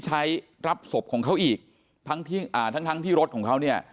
รับศพของเขาอีกทั้งที่อ่าทั้งทั้งที่รถของเขาเนี่ย